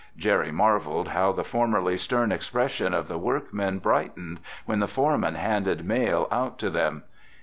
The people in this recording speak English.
Jerry marveled how the formerly stern expressions of the workmen brightened when the foreman handed mail out to them.